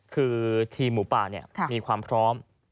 คือทีมหมูป่ามีความพร้อม